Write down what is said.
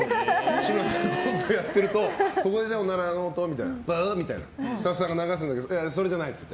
志村さんとコントやってるとここでおならの音プーみたいなのスタッフさんが流すんだけどそれじゃないって。